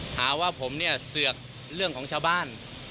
หาว่าผมเนี่ยเสือกเรื่องของชาวบ้าน